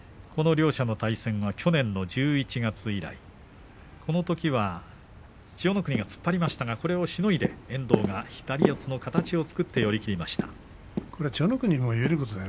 この両者の対戦は去年の１１月以来そのときは千代の国が突っ張りましたがそれをしのいで遠藤が左四つの形を作って寄り切りました。